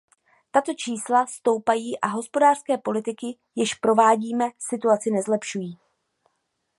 Tato čísla stoupají a hospodářské politiky, jež provádíme, situaci nezlepšují.